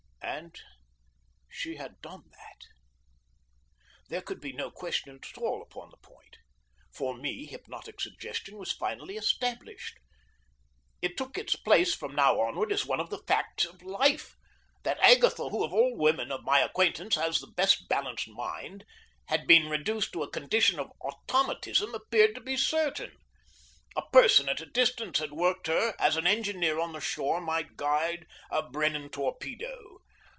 And she had done that. There could be no question at all upon the point. For me hypnotic suggestion was finally established. It took its place from now onward as one of the facts of life. That Agatha, who of all women of my acquaintance has the best balanced mind, had been reduced to a condition of automatism appeared to be certain. A person at a distance had worked her as an engineer on the shore might guide a Brennan torpedo.